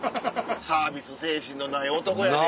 サービス精神のない男やで。